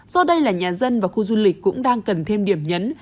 do đây là nhà dân và khu du lịch cũng đang cần thêm điểm nhấn